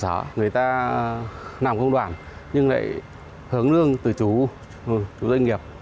chúng ta làm công đoàn nhưng lại hướng lương từ chủ doanh nghiệp